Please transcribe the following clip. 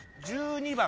１２番。